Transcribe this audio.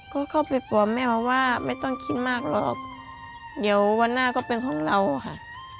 ก็เข้าไปกลัวแม่บอกว่าไม่ต้องคิดมากหรอกเดี๋ยววันหน้าก็เป็นของเราค่ะ